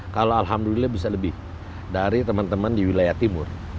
kalau alhamdulillah bisa lebih dari teman teman di wilayah timur